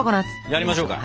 やりましょうか。